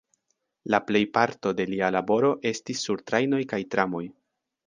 La plejparto de lia laboro estis sur trajnoj kaj tramoj.